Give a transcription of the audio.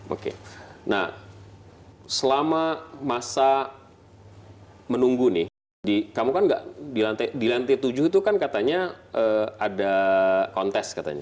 oke nah selama masa menunggu nih kamu kan nggak di lantai tujuh itu kan katanya ada kontes katanya